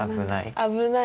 危ない。